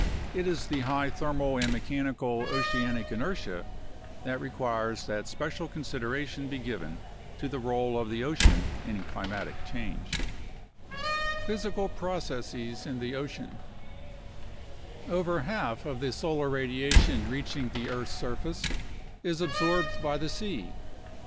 It is the high thermal and mechanical oceanic inertia that requires that special consideration be given to the role of the ocean in climatic change. 26 UNDERSTANDING CLIMATIC CHANGE Physical Processes in the Ocean Over half of the solar radiation reaching the earth's surface is absorbed by the sea.